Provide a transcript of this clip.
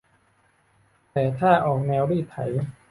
แต่ถ้าออกแนวรีดไถ